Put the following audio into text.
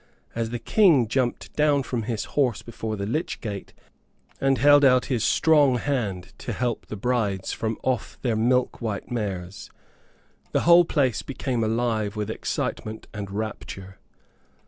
As the King jumped down from his horse before the lych gate, and held out his strong hand to help the brides from off their milk white mares, the whole place became alive with excitement and rapture.